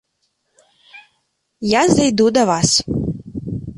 Я зайду да вас.